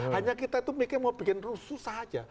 hanya kita itu mikir mau bikin rusuh saja